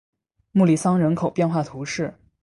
穆利桑人口变化图示